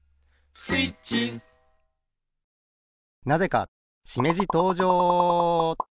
なぜかしめじとうじょう！